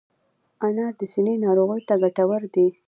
انار د سینې ناروغیو ته ګټور دی.